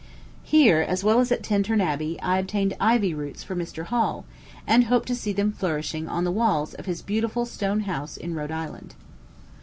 Here, as well as at Tintern Abbey, I obtained ivy roots for Mr. Hall, and hope to see them flourishing on the walls of his beautiful stone house in Rhode Island.